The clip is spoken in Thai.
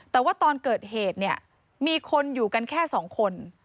แต่ว่าตอนเกิดเหตุเนี่ยมีคนอยู่กันแค่สองคน